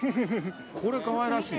これかわいらしい。